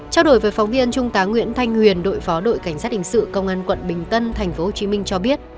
trao đổi với phóng viên trung tá nguyễn thanh huyền đội phó đội cảnh sát hình sự công an quận bình tân tp hcm cho biết